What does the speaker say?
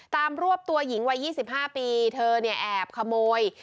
ตามรวบตัวหญิงวัย๒๕ปีเธอแอบขโมย